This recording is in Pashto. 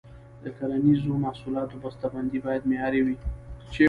د کرنیزو محصولاتو بسته بندي باید معیاري وي.